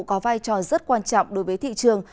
có vai trò rất quan trọng đối với thị trường